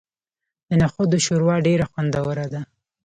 د نخودو شوروا ډیره خوندوره ده.